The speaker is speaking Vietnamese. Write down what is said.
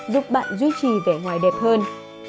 giúp bạn duy trì vẻ ngoài đẹp hơn